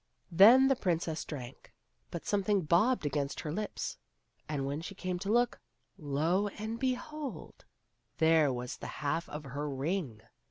Then the princess drank, but something bobbed against her lips; and when she came to look — lo and behold !— there was the half of her ring.